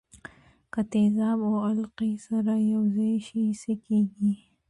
که تیزاب او القلي سره یوځای شي څه کیږي.